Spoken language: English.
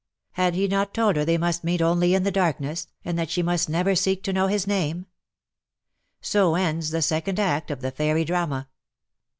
Had he not told her they must meet only in the darkness, and that she must never seek to know his name ? So ends the second act of the fairy drama.